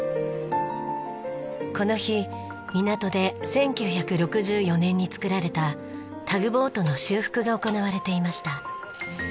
この日港で１９６４年に作られたタグボートの修復が行われていました。